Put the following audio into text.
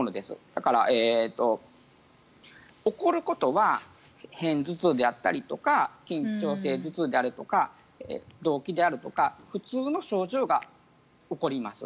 だから、起こることは片頭痛であったりとか緊張性頭痛であるとか動悸であるとか普通の症状が起こります。